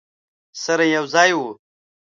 سره یو ځای وو.